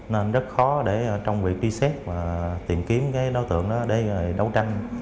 nên rất khó để trong việc truy xét và tìm kiếm cái đối tượng đó để đấu tranh